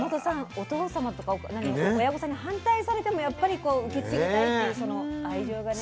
お父様とか親御さんに反対されてもやっぱり受け継ぎたいっていうその愛情がね。